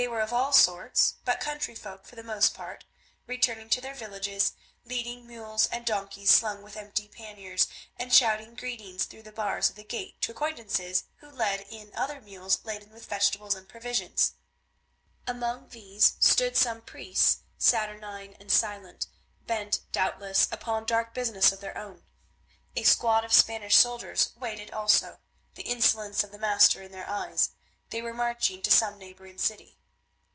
They were of all sorts, but country folk for the most part, returning to their villages, leading mules and donkeys slung with empty panniers, and shouting greetings through the bars of the gate to acquaintances who led in other mules laden with vegetables and provisions. Among these stood some priests, saturnine and silent, bent, doubtless, upon dark business of their own. A squad of Spanish soldiers waited also, the insolence of the master in their eyes; they were marching to some neighbouring city.